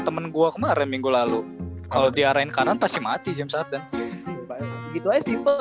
temen gua kemarin minggu lalu kalau diarahkan kanan pasti mati jam saat dan itu aja simpel